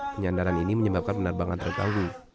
penyandaran ini menyebabkan penerbangan terganggu